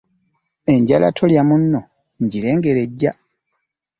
Enjala tolya munno ngirengera ejja.